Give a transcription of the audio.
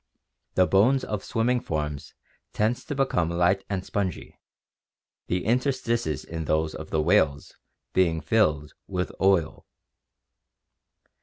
The bones of swimming forms tend to become light and spongy, the interstices in those of the whales being filled with oil.